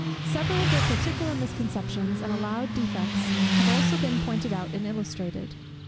Several of their particular misconceptions and allowed defects have also been pointed out and illustrated.